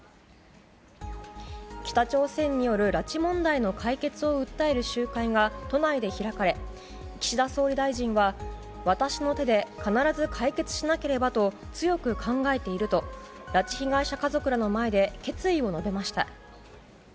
北朝鮮による拉致問題の解決を訴える集会が都内で開かれ岸田総理大臣は私の手で必ず解決しなければと強く考えていると拉致被害者家族らの前で決意を述べました。